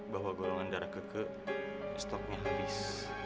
bahwa golongan darah keke stoknya habis